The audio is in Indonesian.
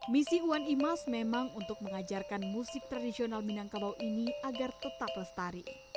misi wan imas memang untuk mengajarkan musik tradisional minangkabau ini agar tetap lestari